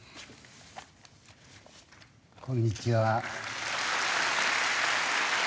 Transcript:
こんにちは。